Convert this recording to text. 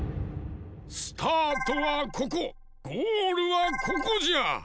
スタートはここゴールはここじゃ！